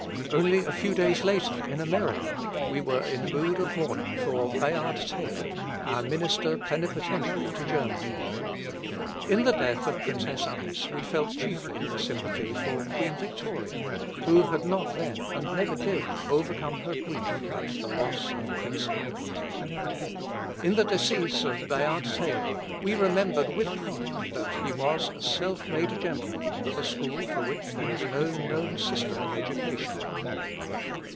Only a few days later, in America, we were in mood of mourning for Bayard Taylor, our Minister Plenipotentiary to Germany. In the death of Princess Alice we felt chiefly a sympathy for Queen Victoria, who had not then, and never did, overcome her grief at the loss of Prince Albert. In the decease of Bayard Taylor we remembered with pride that he was a self made gentleman of a school for which there is no known system of education.